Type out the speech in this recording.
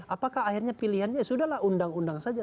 apakah akhirnya pilihannya ya sudah lah undang undang saja